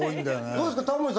どうですかタモリさん